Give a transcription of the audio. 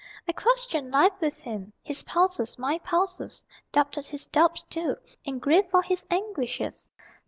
I questioned life with him, his pulses my pulses; Doubted his doubts, too, and grieved for his anguishes.